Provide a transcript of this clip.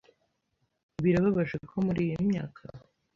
Birababaje ko muri iyi myaka